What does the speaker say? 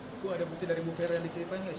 itu ada bukti dari bu fairoh yang dikirimkan ya